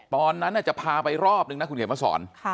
ตอนนั้นจะพาไปรอบนึงนะคุณเขียนมาสอน